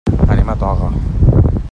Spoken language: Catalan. Anem a Toga.